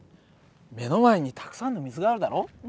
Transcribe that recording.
目の前にたくさんの水があるだろう？